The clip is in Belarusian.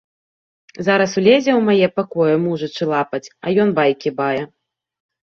Зараз улезе ў мае пакоі мужычы лапаць, а ён байкі бае.